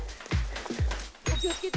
お気を付けて。